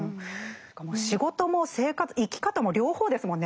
仕事も生き方も両方ですもんね。